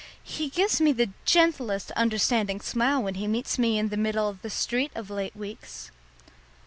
He gives me the gentlest understanding smile when he meets me in the street of late weeks.